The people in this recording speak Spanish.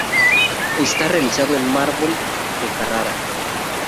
Está realizado en mármol de Carrara.